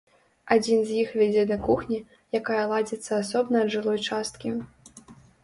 Адзін з іх вядзе да кухні, якая ладзіцца асобна ад жылой часткі.